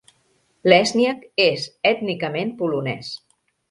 Lesniak és ètnicament polonès.